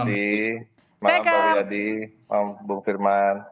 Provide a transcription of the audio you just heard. selamat malam pak wi hadi pak bung firman